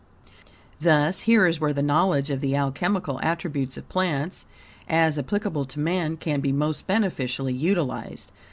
Thus, here is where the knowledge of the alchemical attributes of plants, as applicable to man, can be most beneficially utilized.